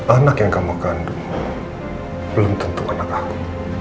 anak yang kamu kandung belum tentu anak aku